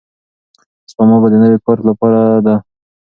سپما مې د نوي کار لپاره ده.